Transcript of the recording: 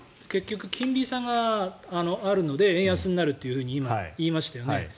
結局、金利差があるので円安になると今、言いましたよね。